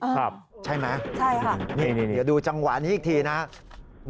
ครับใช่ไหมนี่ดูจังหวานนี้อีกทีนะครับ